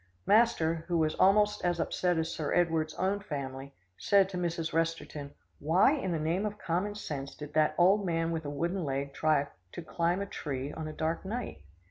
Master, who was almost as upset as Sir Edward's own family, said to Mrs. Resterton, "Why in the name of common sense did that old man with a wooden leg try to climb a tree on a dark night?"